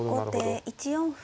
後手１四歩。